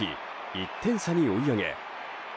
１点差に追い上げ